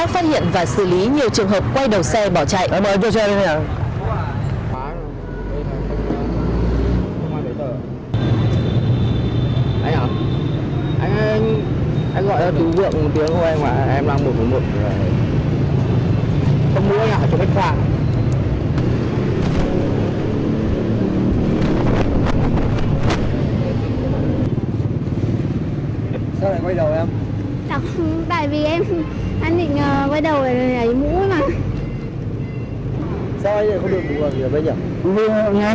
vậy tại sao các đối tượng lại quay đầu xe bỏ chạy nam thanh niên điều khiển xe máy phía trước nam thanh niên điều khiển xe máy phía sau